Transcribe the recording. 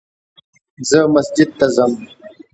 زه مسجد ته ځم